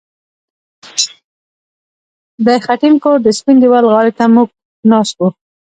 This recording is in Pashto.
د خټین کور د سپین دېوال غاړې ته موږ ناست وو